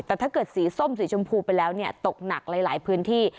แต่ถ้าเกิดสีส้มสีชมพูไปแล้วเนี่ยตกหนักหลายพื้นที่